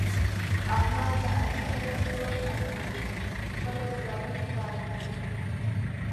احمد له علي سره زور ازمیي، خپله ځواني ښکاره کوي.